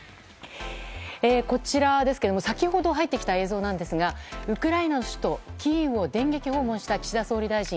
こちらは先ほど入ってきた映像なんですがウクライナの首都キーウを電撃訪問した岸田総理大臣。